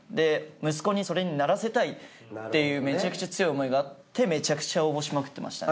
息子にそれにならせたいっていうメチャクチャ強い思いがあってメチャクチャ応募しまくってましたね。